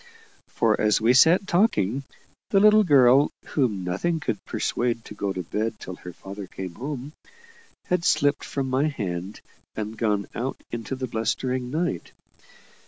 For as we sat talking, the little girl whom nothing could persuade to go to bed till her father came home had slipped from my hand, and gone out into the blustering night.